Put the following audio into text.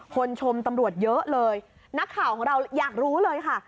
ชมตำรวจเยอะเลยนักข่าวของเราอยากรู้เลยค่ะ